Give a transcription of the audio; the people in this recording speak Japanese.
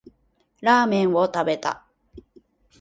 ラーメンを食べた